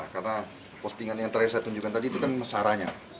karena postingan yang terakhir saya tunjukkan tadi itu kan saranya